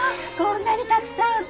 こんなにたくさん！